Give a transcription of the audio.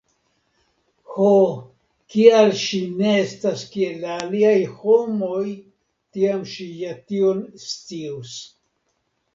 Ho, kial ŝi ne estas kiel la aliaj homoj, tiam ŝi ja tion scius.